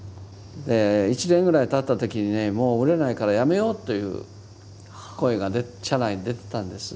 １年ぐらいたった時にねもう売れないからやめようという声が社内に出てたんです。